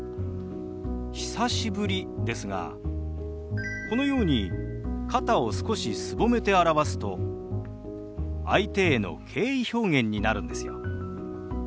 「久しぶり」ですがこのように肩を少しすぼめて表すと相手への敬意表現になるんですよ。